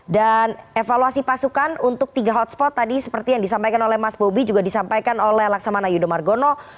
dan evaluasi pasukan untuk tiga hotspot tadi seperti yang disampaikan oleh mas bobby juga disampaikan oleh laksamana yudho margono